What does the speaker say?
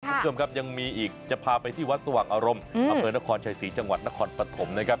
คุณผู้ชมครับยังมีอีกจะพาไปที่วัดสว่างอารมณ์อำเภอนครชัยศรีจังหวัดนครปฐมนะครับ